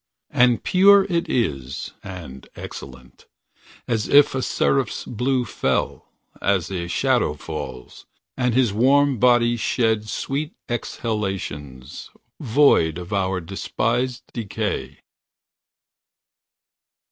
And pure It is, and excellent. As if a seraph's blue Fell, as a shadow falls. And his warm body shed Sweet exhalations, void Of our despised decay.